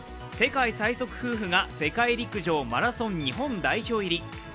世界最速夫婦が世界陸上マラソン代表入り。